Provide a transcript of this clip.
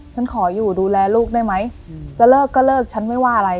ฉันขออยู่ดูแลลูกได้ไหมจะเลิกก็เลิกฉันไม่ว่าอะไร